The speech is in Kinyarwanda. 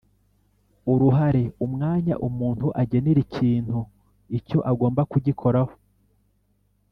Uruhare Umwanya umuntu agenera ikintu icyo agomba kugikoraho